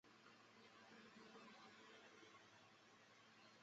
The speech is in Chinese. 它具有按照仪表飞行规则飞行的能力。